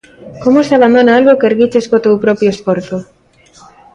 Como se abandona algo que erguiches co teu propio esforzo?